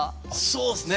そうっすね。